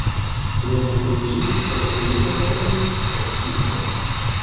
Li okupiĝis precipe pri optiko.